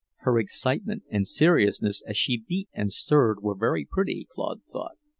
Her excitement and seriousness as she beat and stirred were very pretty, Claude thought.